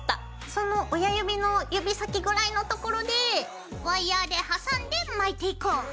その親指の指先ぐらいの所でワイヤーで挟んで巻いていこう！